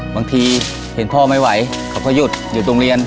บางทีเห็นพ่อไม่ไหวเขาก็หยุดอยู่โรงเรียน